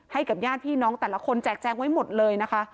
ให้กับญาติพี่น้องแต่ละคนแจกแจงไว้หมดเลยนะคะ